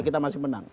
kita masih menang